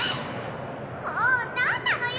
もう何なのよ